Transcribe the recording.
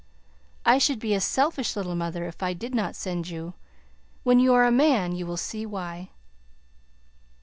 I should be a selfish little mother if I did not send you. When you are a man, you will see why."